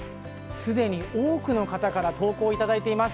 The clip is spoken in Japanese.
すでに多くの方から投稿をいただいています。